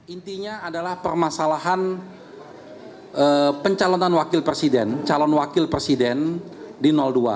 intinya adalah permasalahan pencalonan wakil presiden calon wakil presiden di dua